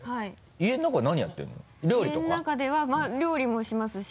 家の中では料理もしますし。